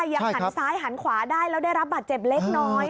ยังหันซ้ายหันขวาได้แล้วได้รับบาดเจ็บเล็กน้อย